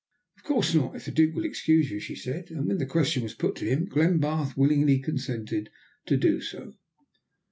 "Of course not, if the Duke will excuse you," she said, and, when the question was put to him, Glenbarth willingly consented to do so.